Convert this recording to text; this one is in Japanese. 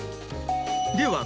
では